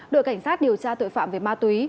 đội cảnh sát điều tra tội phạm về ma túy